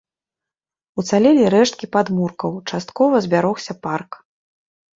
Уцалелі рэшткі падмуркаў, часткова збярогся парк.